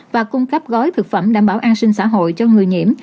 và cung cấp gói thực phẩm đảm bảo an sinh xã hội cho người nhiễm